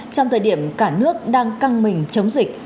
trong thời điểm cả nước đang căng mình chống dịch